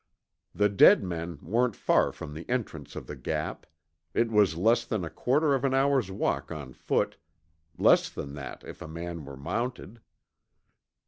The dead men weren't far from the entrance of the Gap; it was less than a quarter of an hour's walk on foot less than that if a man were mounted.